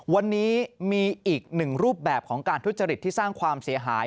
วันนี้มีอีกหนึ่งรูปแบบของการทุจริตที่สร้างความเสียหาย